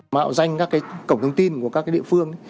mạo danh các cái cổng thông tin của các địa phương